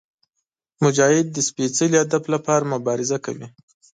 مجاهد د سپېڅلي هدف لپاره مبارزه کوي.